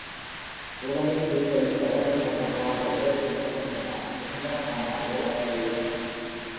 ஊடலைத் தீர்ப்பதற்கு அவர்கள் பட்ட பாடு ஏட்டில் எழுத முடியாது விருந்தினர் வந்தால் ஊடல் தீர்வர்.